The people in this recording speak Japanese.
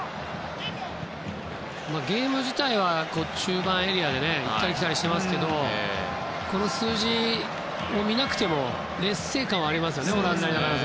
ゲーム自体は中盤エリアで行ったり来たりしてますけどこの数字を見なくても劣勢感はありますよねオランダは。